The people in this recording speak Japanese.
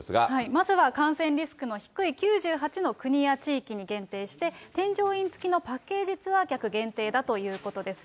まずは感染リスクの低い９８の国や地域に限定して、添乗員付きのパッケージツアー客限定だということです。